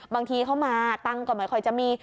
บางทีเขามาตังก่อนไหมค่อยจะมี